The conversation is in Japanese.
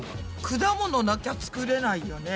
果物なきゃ作れないよね。